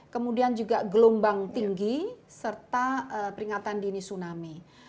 kemudian juga gelombang tinggi serta peringatan dini tsunami